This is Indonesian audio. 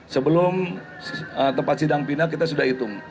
sebelum tempat sidang pindah kita sudah hitung